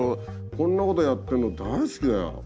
こんなことやってんの大好きだよ。